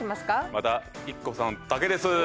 またＩＫＫＯさんだけです！